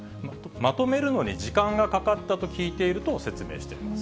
まとめるのに時間がかかったと聞いていると説明しています。